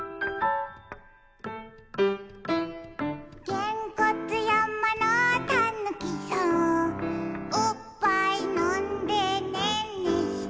「げんこつやまのたぬきさん」「おっぱいのんでねんねして」